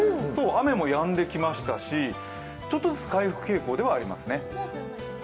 雨もやんできましたし、ちょっとずつ回復傾向ではありますね。